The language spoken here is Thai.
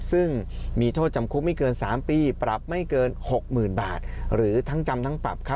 ซึ่งมีโทษจำคุกไม่เกิน๓ปีปรับไม่เกิน๖๐๐๐บาทหรือทั้งจำทั้งปรับครับ